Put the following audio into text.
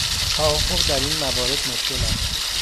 توافق در این موارد مشکل است.